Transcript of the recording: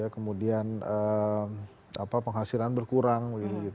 kemudian penghasilan berkurang